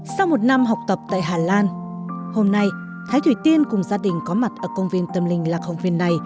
sau một năm học tập tại hà lan hôm nay thái thủy tiên cùng gia đình có mặt ở công viên tâm linh lạc hồng viên này